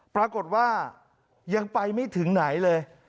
ปรากฏว่ายังไปไม่ถึงไหนเลย